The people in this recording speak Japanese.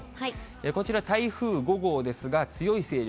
こちら、台風５号ですが、強い勢力。